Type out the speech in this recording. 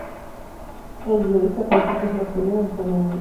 Es dioica, con fustes masculinos y femeninos.